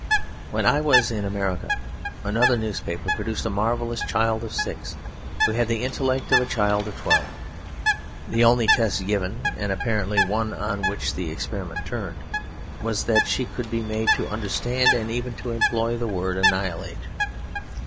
When I was in America another newspaper produced a marvellous child of six who had the intellect of a child of twelve. The only test given, and apparently one on which the experiment turned, was that she could be made to understand and even to employ the word 'annihilate.'